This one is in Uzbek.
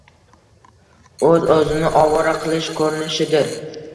o‘z-o‘zni ovora qilish ko‘rinishidir.